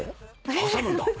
挟むんだ。